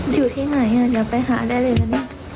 อยู่ที่ไหนเดี๋ยวไปหาได้เลยนะ